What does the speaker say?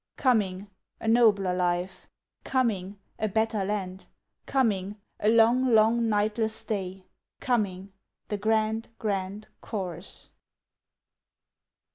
Coming a nobler life; Coming a better land; Coming a long, long, nightless day; Coming the grand, grand Chorus!